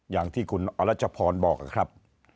อย่างที่คุณอรัชพรบอกนะครับ